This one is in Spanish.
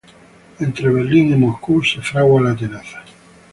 Entre Berlín y Moscú se fragua la tenaza.